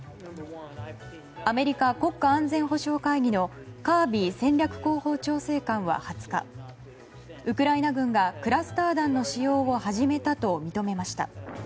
アメリカ国家安全保障会議のカービー戦略広報調整官は２０日ウクライナ軍がクラスター弾の使用を始めたと認めました。